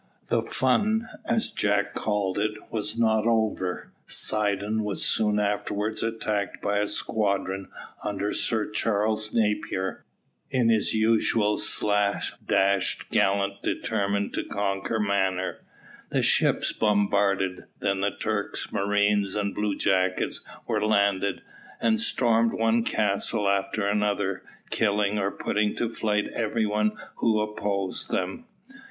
The fun, as Jack called it, was not over. Sidon was soon afterwards attacked by a squadron under Sir Charles Napier, in his usual slap dash gallant determined to conquer manner. The ships bombarded, then the Turks, marines, and bluejackets were landed, and stormed one castle after another, killing or putting to flight every one who opposed them.